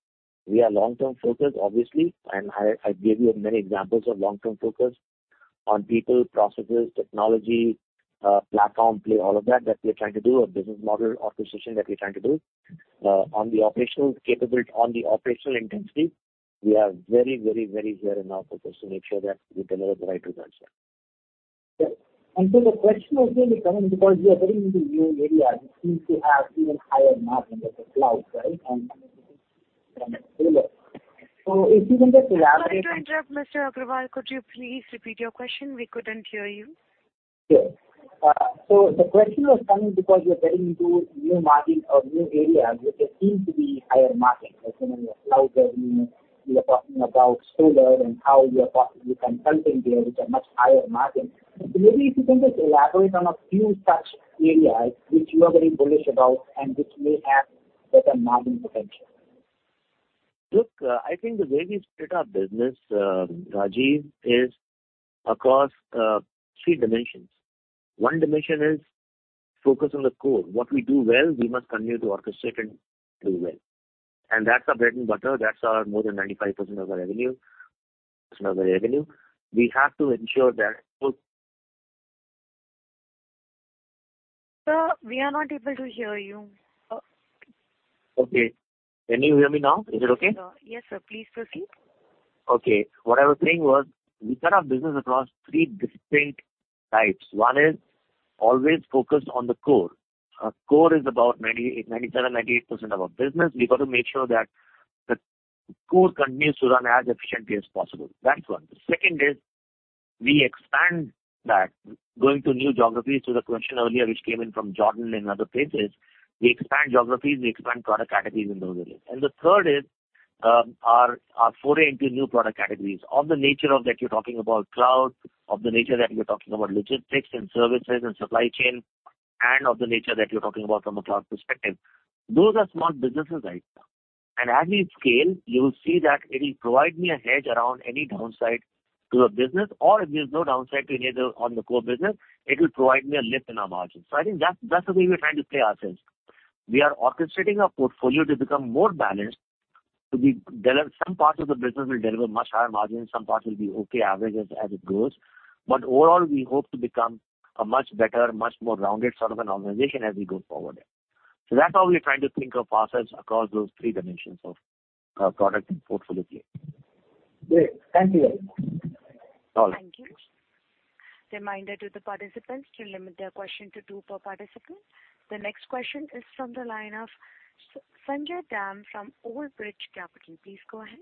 we are long-term focused, obviously, and I gave you many examples of long-term focus on people, processes, technology, platform play, all of that we are trying to do, our business model orchestration that we're trying to do. On the operational capability, on the operational intensity, we are very clear in our focus to make sure that we deliver the right results here. Yeah. The question was really coming because you are getting into new areas which seems to have even higher margins such as cloud, right? And Solar. If you can just elaborate. Sorry to interrupt, Mr. Agrawal. Could you please repeat your question? We couldn't hear you. Sure. The question was coming because you are getting into new margin or new areas which seem to be higher margin. Like, you know, your Cloud revenue, you're talking about Solar and how you are talking with consulting there, which are much higher margin. Maybe if you can just elaborate on a few such areas which you are very bullish about and which may have better margin potential? Look, I think the way we split our business, Rajeev, is across three dimensions. One dimension is focus on the core. What we do well, we must continue to orchestrate and do well. That's our bread and butter. That's our more than 95% of our revenue. We have to ensure that. Sir, we are not able to hear you. Okay. Can you hear me now? Is it okay? Yes, sir. Please proceed. Okay. What I was saying was we set our business across three distinct types. One is always focus on the core. Our core is about 90%, 97%, 98% of our business. We've got to make sure that the core continues to run as efficiently as possible. That's one. The second is we expand that. Going to new geographies, to the question earlier which came in from Jordan and other places, we expand geographies, we expand product categories in those areas. And the third is, our foray into new product categories of the nature of that you're talking about cloud, of the nature that you're talking about logistics and services and supply chain, and of the nature that you're talking about from a cloud perspective. Those are small businesses right now. As we scale, you will see that it'll provide me a hedge around any downside to a business, or if there's no downside to any of the on the core business, it'll provide me a lift in our margins. I think that's the way we're trying to play ourselves. We are orchestrating our portfolio to become more balanced. Some parts of the business will deliver much higher margins, some parts will be okay, average as it grows. Overall, we hope to become a much better, much more rounded sort of an organization as we go forward here. That's how we're trying to think of ourselves across those three dimensions of product and portfolio. Great. Thank you very much. All right. Thank you. Thank you. Reminder to the participants to limit their question to two per participant. The next question is from the line of Sanjay Dam from Old Bridge Capital. Please go ahead.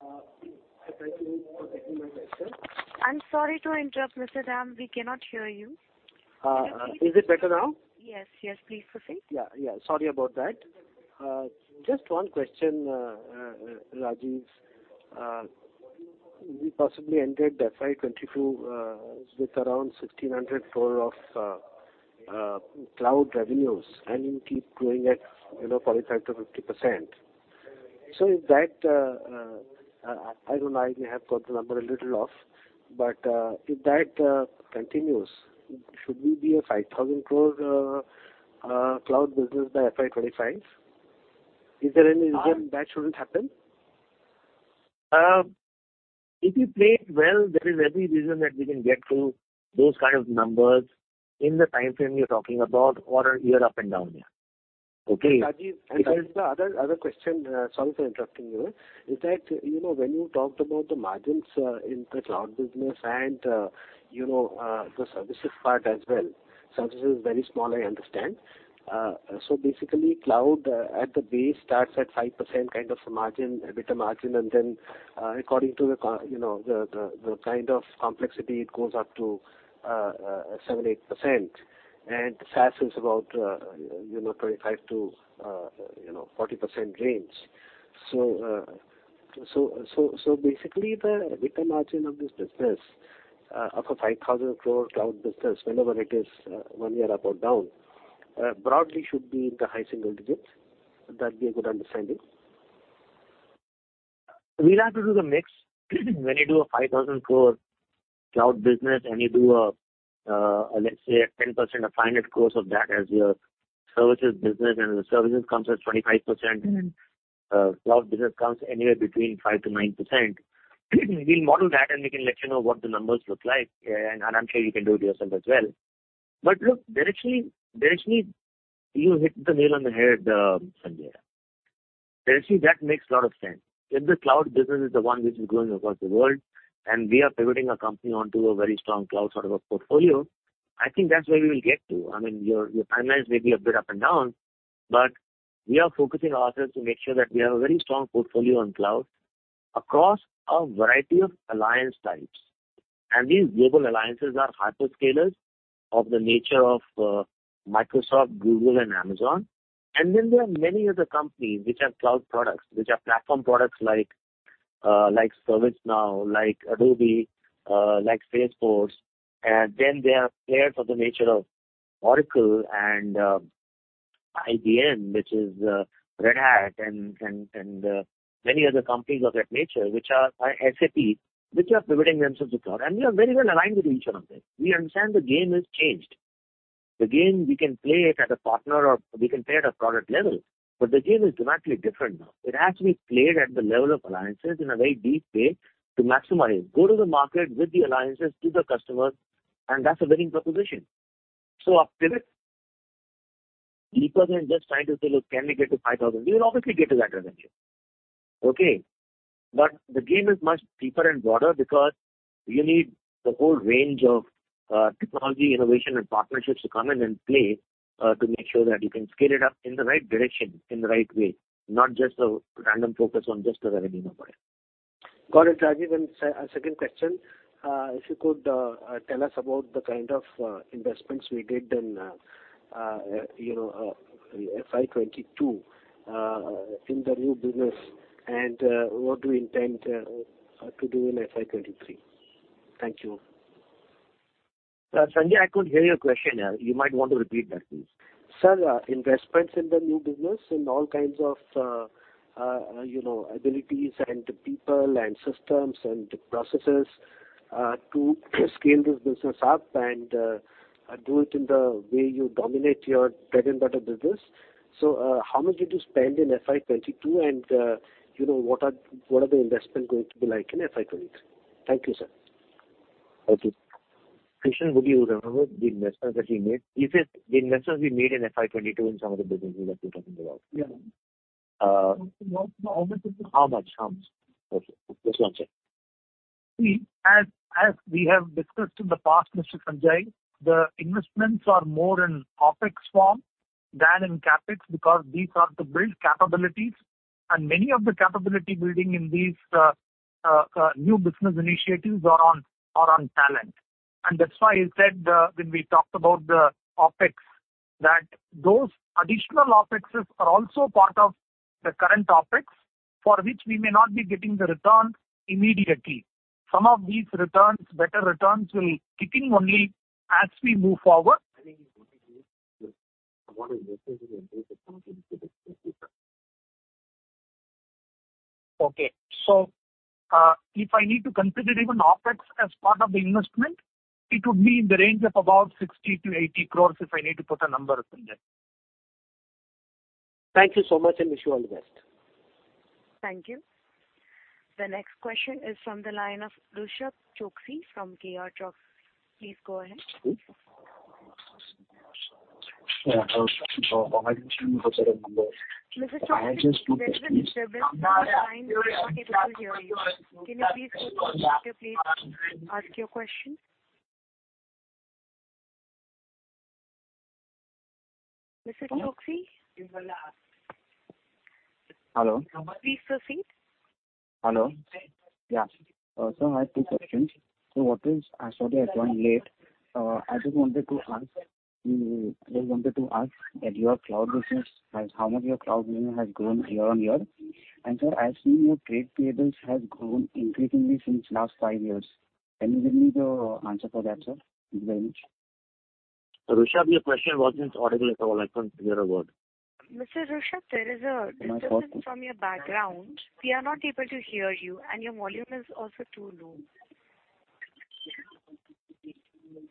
Thank you for taking my question. I'm sorry to interrupt, Mr. Dam. We cannot hear you. Is it better now? Yes, yes. Please proceed. Yeah, yeah. Sorry about that. Just one question, Rajiv. We possibly ended FY 2022 with around 1,600 crore of Cloud revenues, and you keep growing at, you know, 45%-50%. I don't know, I may have got the number a little off, but if that continues, should we be a 5,000 crore Cloud business by FY 2025? Is there any reason that shouldn't happen? If you play it well, there is every reason that we can get to those kind of numbers in the timeframe you're talking about or a year up and down there. Okay? Rajiv, there is the other question. Sorry for interrupting you. Is that, you know, when you talked about the margins, in the Cloud business and, you know, the services part as well. Services is very small, I understand. So basically Cloud at the base starts at 5% kind of a margin, EBITDA margin. Then, according to the, you know, the kind of complexity, it goes up to 7%-8%. SaaS is about, you know, 25%-40% range. So basically the EBITDA margin of this business, of an 5,000 crore Cloud business, whenever it is, one year up or down, broadly should be in the high single digits. Would that be a good understanding? We'll have to do the mix. When you do a 5,000 crore Cloud business and you do a, let's say a 10% of INR 5,000 crores of that as your services business and the services comes at 25%. Mm-hmm. Cloud business comes anywhere between 5%-9%, we'll model that, and we can let you know what the numbers look like. I'm sure you can do it yourself as well. Look, you hit the nail on the head, Sanjay. There actually, that makes a lot of sense. If the cloud business is the one which is growing across the world and we are pivoting our company onto a very strong cloud sort of a portfolio, I think that's where we will get to. I mean, your timelines may be a bit up and down, but we are focusing ourselves to make sure that we have a very strong portfolio on Cloud across a variety of alliance types. These global alliances are hyperscalers of the nature of Microsoft, Google and Amazon. There are many other companies which have cloud products, which are platform products like ServiceNow, like Adobe, like Salesforce. There are players of the nature of Oracle and, IBM, which is Red Hat and, many other companies of that nature, which are SAP, which are pivoting themselves to cloud. We are very well aligned with each one of them. We understand the game has changed. The game, we can play it as a partner or we can play it at product level, but the game is dramatically different now. It has to be played at the level of alliances in a very deep way to maximize. Go to the market with the alliances, to the customers, and that's a winning proposition. I'll pivot deeper than just trying to say, look, can we get to 5,000? We will obviously get to that revenue. Okay? The game is much deeper and broader because you need the whole range of technology, innovation and partnerships to come in and play, to make sure that you can scale it up in the right direction, in the right way, not just a random focus on just the revenue point. Got it, Rajiv. Second question. If you could tell us about the kind of investments we did in, you know, FY 2022, in the new business and what we intend to do in FY 2023. Thank you. Sanjay, I couldn't hear your question. You might want to repeat that, please. Sir, investments in the new business, in all kinds of, you know, abilities and people and systems and processes, to scale this business up and, do it in the way you dominate your bread-and-butter business. How much did you spend in FY 2022 and, you know, what are the investment going to be like in FY 2023? Thank you, sir. Okay. Krishnan, would you remember the investment that we made? Is it the investments we made in FY 2022 in some of the businesses that we're talking about? Yeah. Uh- How much is it? How much? How much? Okay. Yes, go on, sir. As we have discussed in the past, Mr. Sanjay, the investments are more in OpEx form than in CapEx because these are to build capabilities and many of the capability building in these new business initiatives are on talent. That's why I said, when we talked about the OpEx, that those additional OpEx's are also part of the current OpEx for which we may not be getting the return immediately. Some of these returns, better returns will kick in only as we move forward. I think he's only used to what is necessary to improve the company into the future. If I need to consider even OpEx as part of the investment, it would be in the range of about 60 crore-80 crore if I need to put a number from there. Thank you so much and wish you all the best. Thank you. The next question is from the line of Rushabh Choksey from KRChoksey. Please go ahead. Yeah. On my end, can you put that in numbers? Mr. Choksey, there is a disturbance. The line is not capable of hearing you. Can you please ask your question? Mr. Choksey? Hello? Please proceed. Hello? Yeah. I have two questions. I saw that you are running late. I just wanted to ask how much your Cloud business has grown year-on-year. Sir, I've seen your trade payables has grown increasingly since last five years. Can you give me the answer for that, sir? The range. Rushabh, your question wasn't audible at all. I couldn't hear a word. Mr. Rushabh, there is a disturbance from your background. We are not able to hear you, and your volume is also too low.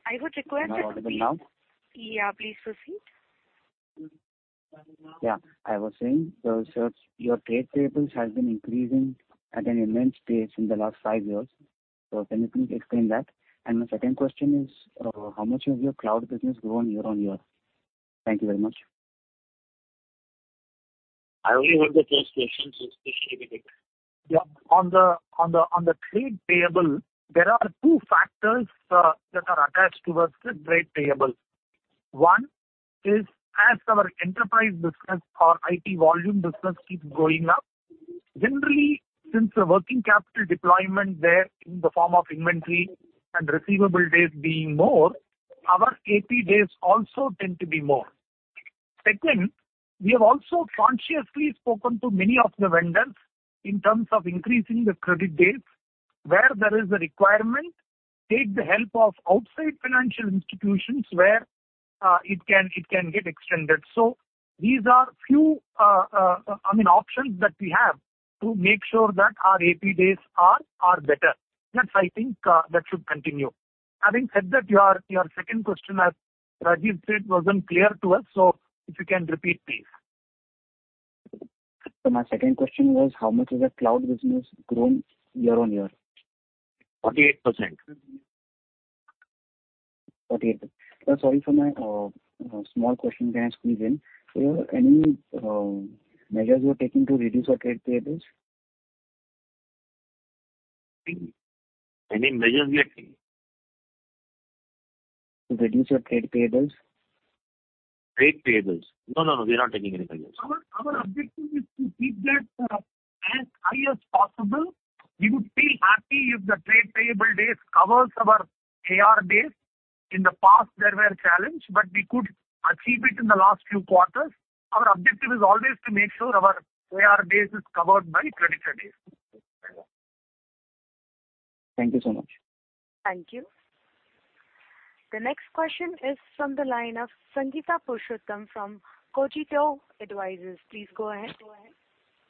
I would request you to please- Am I audible now? Yeah, please proceed. Yeah. I was saying, so your trade payables has been increasing at an immense pace in the last five years. Can you please explain that? My second question is, how much has your Cloud business grown year-on-year? Thank you very much. I only heard the first question. Please repeat it. Yeah. On the trade payable, there are two factors that are attached to our trade payable. One is as our Enterprise business, our IT volume business keeps growing up. Generally, since the working capital deployment there in the form of inventory and receivable days being more, our AP days also tend to be more. Second, we have also consciously spoken to many of the vendors in terms of increasing the credit days where there is a requirement, take the help of outside financial institutions where it can get extended. These are few, I mean, options that we have to make sure that our AP days are better. Yes, I think that should continue. Having said that, your second question, as Rajiv said, wasn't clear to us, so if you can repeat, please. My second question was how much has the Cloud business grown year-on-year? 48%. 48. Sorry for my small question, can I squeeze in. Any measures you are taking to reduce your credit payables? Any measures we are taking. To reduce your trade payables. Trade payables. No, no, we're not taking any measures. Our objective is to keep that as high as possible. We would feel happy if the trade payable days covers our AR days. In the past, they were a challenge, but we could achieve it in the last few quarters. Our objective is always to make sure our AR days is covered by creditor days. Thank you so much. Thank you. The next question is from the line of Sangeeta Purushottam from Cogito Advisors. Please go ahead.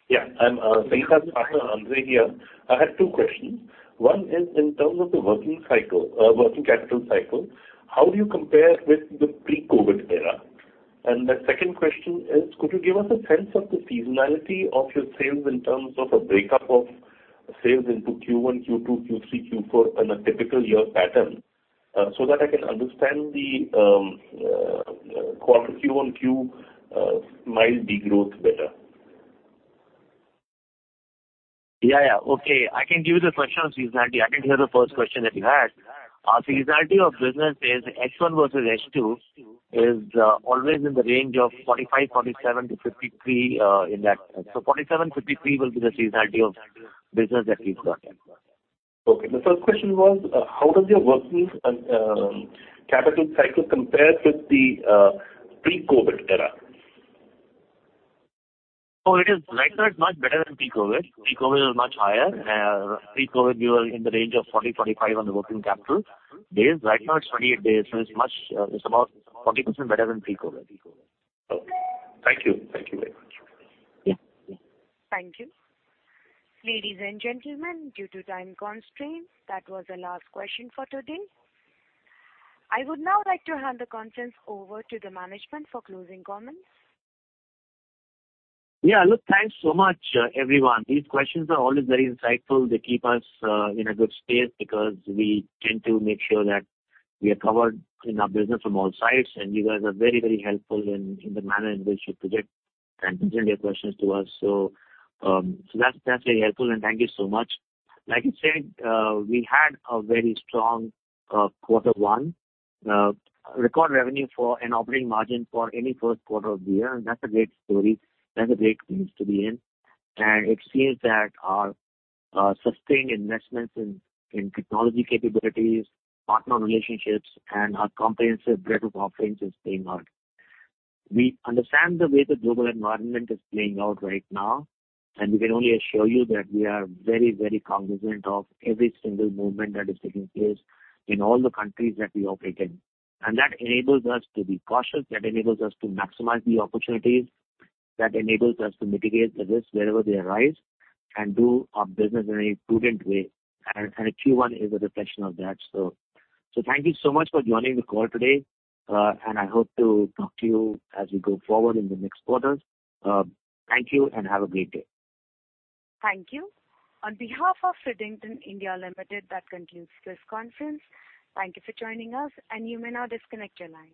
Yeah, I'm Sangeeta's partner, Andrey here. I had two questions. One is in terms of the working capital cycle, how do you compare with the pre-COVID era? The second question is could you give us a sense of the seasonality of your sales in terms of a breakup of sales into Q1, Q2, Q3, Q4 in a typical year pattern, so that I can understand the quarter QoQ mild degrowth better? Yeah, yeah. Okay. I can give you the question on seasonality. I didn't hear the first question that you had. Our seasonality of business is H1 versus H2 always in the range of 45, 47/53, in that. 47,/53 will be the seasonality of business that we've got. Okay. The first question was, how does your working capital cycle compare with the pre-COVID era? Right now it's much better than pre-COVID. Pre-COVID was much higher. Pre-COVID we were in the range of 40-45 days on the working capital days. Right now it's 28 days. It's much, it's about 40% better than pre-COVID. Okay. Thank you. Thank you very much. Yeah. Thank you. Ladies and gentlemen, due to time constraints, that was the last question for today. I would now like to hand the conference over to the management for closing comments. Yeah, look, thanks so much, everyone. These questions are always very insightful. They keep us in a good space because we tend to make sure that we are covered in our business from all sides, and you guys are very, very helpful in the manner in which you project and present your questions to us. That's very helpful, and thank you so much. Like you said, we had a very strong quarter one. Record revenue for an operating margin for any first quarter of the year, and that's a great story. That's a great place to be in. It seems that our sustained investments in technology capabilities, partner relationships, and our comprehensive breadth of offerings is paying off. We understand the way the global environment is playing out right now, and we can only assure you that we are very, very cognizant of every single movement that is taking place in all the countries that we operate in. That enables us to be cautious. That enables us to maximize the opportunities. That enables us to mitigate the risks wherever they arise and do our business in a prudent way. Q1 is a reflection of that. Thank you so much for joining the call today. I hope to talk to you as we go forward in the next quarters. Thank you, and have a great day. Thank you. On behalf of Redington India Limited, that concludes this conference. Thank you for joining us, and you may now disconnect your line.